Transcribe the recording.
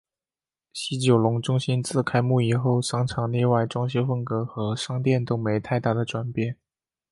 西九龙中心自开幕以后商场内外装修风格和商店都没太大的转变。